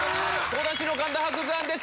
講談師の神田伯山です。